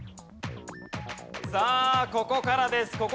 さあここからです。